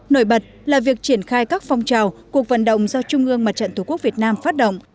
nổi bật là việc triển khai các phong trào cuộc vận động do trung ương mặt trận tổ quốc việt nam phát động